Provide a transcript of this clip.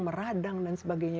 meradang dan sebagainya